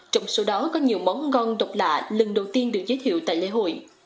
trong số đó có nhiều món ngon độc lạ lần đầu tiên được giới thiệu tại lễ hội